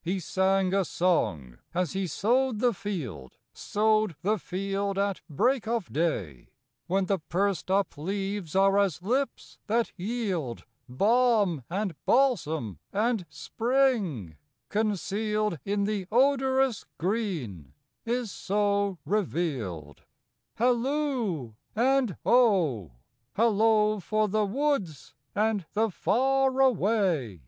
He sang a song as he sowed the field, Sowed the field at break of day: "When the pursed up leaves are as lips that yield Balm and balsam, and Spring, concealed In the odorous green, is so revealed, Halloo and oh! Hallo for the woods and the far away!"